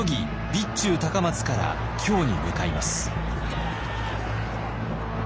備中高松から京に向かいます。